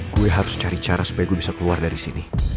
gue harus cari cara supaya gue bisa keluar dari sini